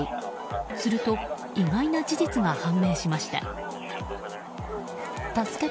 すると、意外な事実が判明しました。